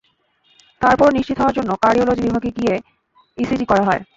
তারপরও নিশ্চিত হওয়ার জন্য কার্ডিওলজি বিভাগে নিয়ে গিয়ে ইসিজি করা হয়।